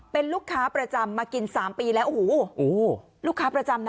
เป็นลูกค้าประจำมากินสามปีแล้วโอ้โหลูกค้าประจำนะ